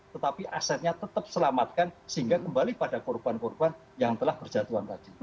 tetapi asetnya tetap selamatkan sehingga kembali pada korban korban yang telah berjatuhan tadi